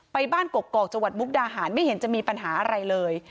ไปบ้านกกอกจังหวัดมุกดาหารไม่เห็นจะมีปัญหาอะไรเลย